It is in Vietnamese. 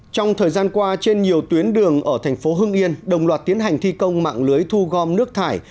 trong thời gian qua trên nhiều tuyến đường ở thành phố hưng yên đồng loạt tiến hành thi công mạng lưới thu gom nước thải